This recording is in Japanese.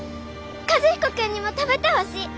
和彦君にも食べてほしい！